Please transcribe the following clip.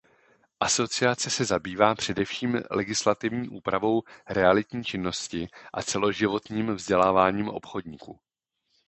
Asociace se zabývá především legislativní úpravou realitní činnosti a celoživotním vzděláváním obchodníků.